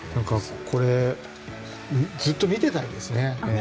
これずっと見てたいですね。